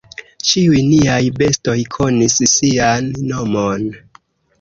Ĉiuj niaj bestoj konis sian nomon.